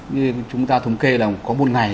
như chúng ta thống kê là có một ngày